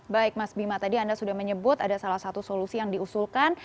baik mas bima tadi anda sudah menyebut ada salah satu solusi yang diusulkan